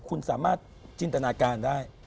คุณสามารถจินตนาการได้